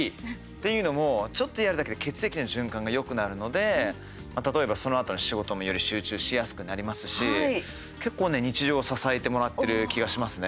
というのも、ちょっとやるだけで血液の循環がよくなるので例えば、そのあとの仕事もより集中しやすくなりますし結構ね、日常支えてもらってる気がしますね。